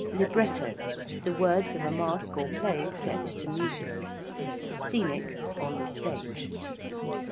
~libretto~: the words of a masque or play set to music. ~scenic~: on the stage.